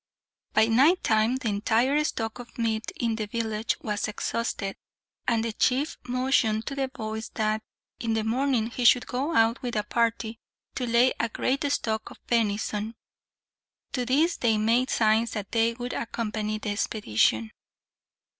By night time the entire stock of meat in the village was exhausted, and the chief motioned to the boys that, in the morning, he should go out with a party to lay in a great stock of venison. To this they made signs that they would accompany the expedition.